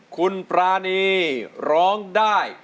คุณปรานีร้องได้